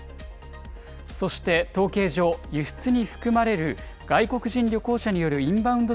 そして統計上、輸出に含まれる外国人旅行者によるインバウンド